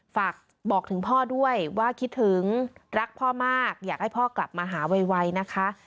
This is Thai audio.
ฝากบอกถึงพ่อด้วยว่าคิดถึงรักพ่อมากอยากให้พ่อกลับมาหาไวนะคะ